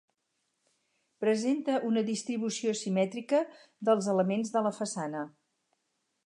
Presenta una distribució simètrica dels elements de la façana.